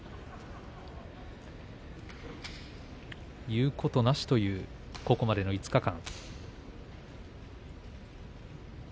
言うことなしというここまでの５日間。